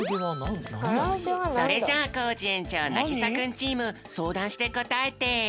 それじゃあコージ園長なぎさくんチームそうだんしてこたえて。